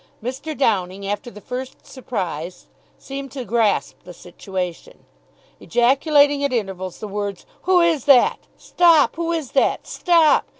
Mr. Downing, after the first surprise, seemed to grasp the situation. Ejaculating at intervals the words, "Who is that? Stop! Who is that? Stop!"